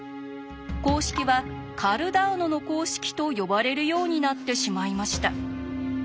公式は「カルダーノの公式」と呼ばれるようになってしまいました。